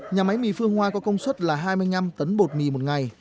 nhà máy mì phương hoa có công suất là hai mươi năm tấn bột mì một ngày